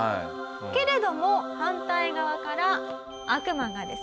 けれども反対側から悪魔がですね